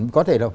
có thể là